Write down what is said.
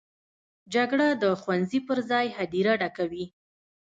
جګړه د ښوونځي پر ځای هدیره ډکوي